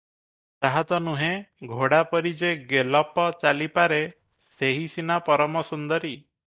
ତାହା ତ ନୁହେଁ, ଘୋଡ଼ାପରି ଯେ 'ଗେଲପ ଚାଲିପାରେ, ସେହି ସିନା ପରମ ସୁନ୍ଦରୀ!